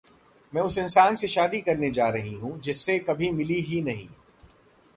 'मैं उस इंसान से शादी करने जा रही हूं जिससे कभी मिली ही नहीं'